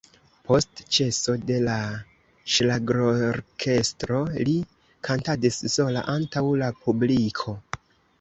Post ĉeso de la ŝlagrorkestro li kantadis sola antaŭ la publiko.